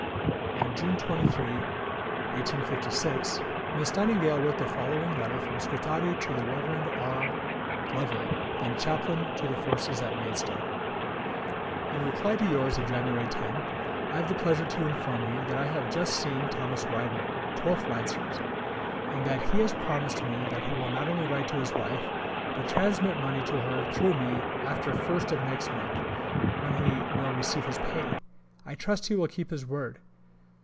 On January 23, 1856, Miss Nightingale wrote the following letter from Scutari to the Rev. R. Glover, then Chaplain to the Forces at Maidstone: In reply to yours of Jan. 10 I have the pleasure to inform you that I have just seen Thomas Whybron, 12th Lancers, and that he has promised me that he will not only write to his wife, but transmit money to her through me after 1st of next month, when he will receive his pay. I trust he will keep his word.